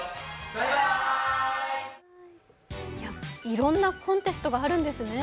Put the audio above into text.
いろいろなコンテストがあるんですね。